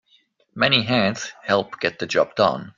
Many hands help get the job done.